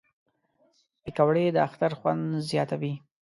پکورې د اختر خوند زیاتوي